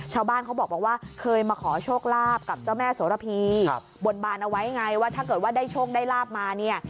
ชาวบ้านเขาบอกว่าเคยมาขอโชคลาภกับเจ้าแม่โสระพีบนบานเอาไว้ไงว่าถ้าเกิดว่าได้โชคได้ลาบมาเนี่ย